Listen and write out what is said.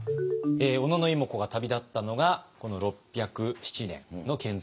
小野妹子が旅立ったのがこの６０７年の遣隋使ですね。